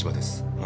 ああ。